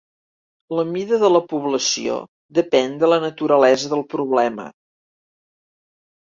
La mida de la població depèn de la naturalesa del problema.